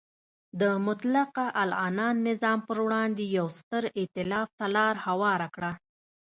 د مطلقه العنان نظام پر وړاندې یو ستر ایتلاف ته لار هواره کړه.